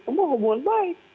semua hubungan baik